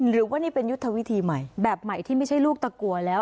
หรือว่านี่เป็นยุทธวิธีใหม่แบบใหม่ที่ไม่ใช่ลูกตะกัวแล้ว